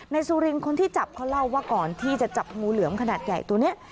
สุรินคนที่จับเขาเล่าว่าก่อนที่จะจับงูเหลือมขนาดใหญ่ตัวนี้